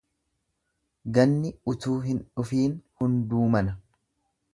Ganni otuu hin dhufiin hunduu mana.